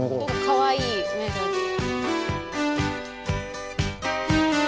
かわいいメロディー。